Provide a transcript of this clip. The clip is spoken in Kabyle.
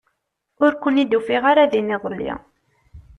Ur ken-id-ufiɣ ara din iḍelli.